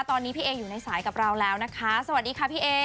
ตอนนี้พี่เออยู่ในสายกับเราแล้วนะคะสวัสดีค่ะพี่เอ